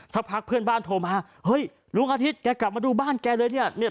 สักพักเพื่อนบ้านโทรมาเฮ้ยลุงอาทิตย์แกกลับมาดูบ้านแกเลยเนี่ย